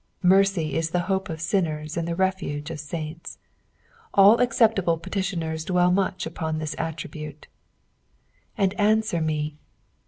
Mercy is the hope of sinners and the refuge of saints. All acceptable petitioners dwell much upon this attribute. "And answer ma."